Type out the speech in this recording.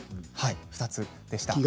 ２つでした。